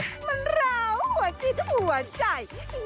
มันร้าวหัวจิตหัวใจ